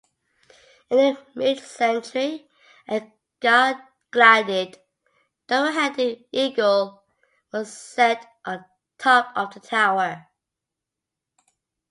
In the mid-century a gilded double-headed eagle was set on top of the tower.